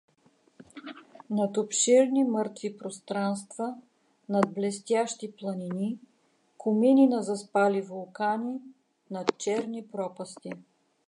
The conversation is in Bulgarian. Над обширни мъртви пространства, над блестящи планини — комини на заспали вулкани, — над черни пропасти.